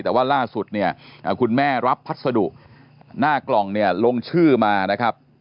แต่ว่าล่าสุดคุณแม่รับพัสดุหน้ากล่องลงชื่อมานะครับ